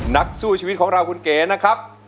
นักสู้ชีวิตของเราคุณเก๋นะครับ